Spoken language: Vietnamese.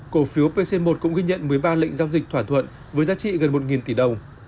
cổ phiếu pc một cũng ghi nhận một mươi ba lệnh giao dịch thỏa thuận với giá trị gần một tỷ đồng